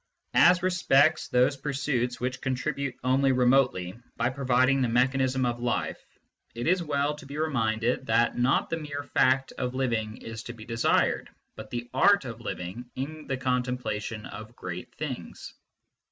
As respects those pursuits which contribute only remotely, by providing the mechanism of life, it is well to be reminded that not the mere fact of living is to be desired, but the art of living in the contemplation of great things.